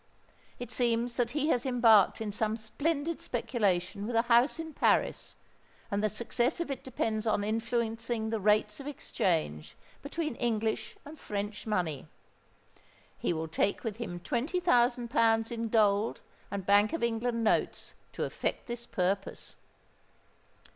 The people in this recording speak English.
It seems that he has embarked in some splendid speculation with a house in Paris, and the success of it depends on influencing the rates of exchange between English and French money. He will take with him twenty thousand pounds in gold and Bank of England notes to effect this purpose."